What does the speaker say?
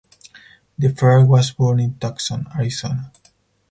DeFer was born in Tucson, Arizona.